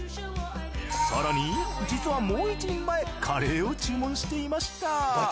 更に実はもう１人前カレーを注文していました。